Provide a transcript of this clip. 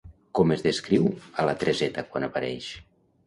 Com es descriu a la Tereseta quan apareix?